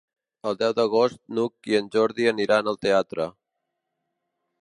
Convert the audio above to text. El deu d'agost n'Hug i en Jordi aniran al teatre.